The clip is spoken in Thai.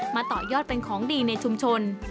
ต่อยอดเป็นของดีในชุมชน